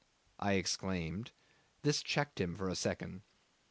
I exclaimed. This checked him for a second.